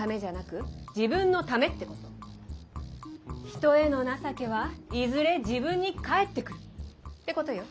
人への情けはいずれ自分に返ってくるってことよ。